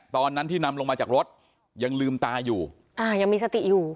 ตอนนั้นที่นำลงมาจากรถยังลืมตาอยู่อ่ายังมีสติอยู่